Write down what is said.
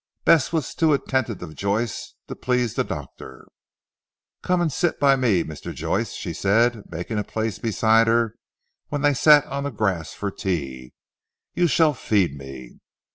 Bess was too attentive to Joyce to please the doctor. "Come and sit by me Mr. Joyce," she said making a place beside her when they sat on the grass for tea. "You shall feed me."